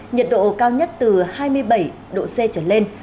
nhiệt độ cao nhất từ hai mươi bảy độ c trở lên